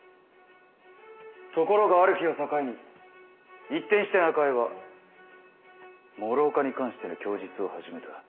ところがある日を境に一転して中江は諸岡に関しての供述を始めた。